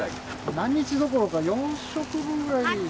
何日どころか、４食分ぐらい。